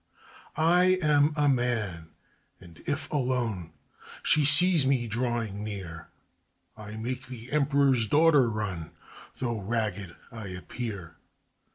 I am a man; and if alone She sees me drawing near, I make the emperor's daughter run, Though ragged I appear.